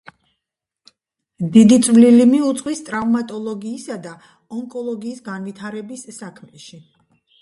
დიდი წვლილი მიუძღვის ტრავმატოლოგიისა და ონკოლოგიის განვითარების საქმეში.